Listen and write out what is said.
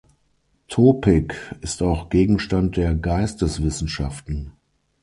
Topik ist auch Gegenstand der Geisteswissenschaften.